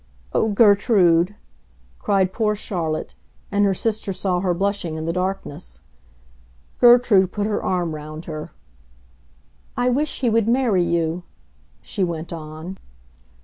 "Oh, Gertrude!" cried poor Charlotte; and her sister saw her blushing in the darkness. Gertrude put her arm round her. "I wish he would marry you!" she went on.